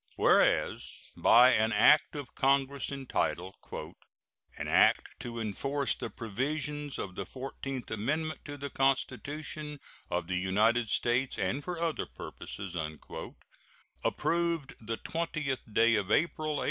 Whereas by an act of Congress entitled "An act to enforce the provisions of the fourteenth amendment to the Constitution of the United States, and for other purposes," approved the 20th day of April, A.